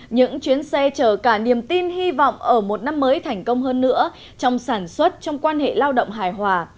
những chuyến xe chở cả niềm tin hy vọng ở một năm mới thành công hơn nữa trong sản xuất trong quan hệ lao động hài hòa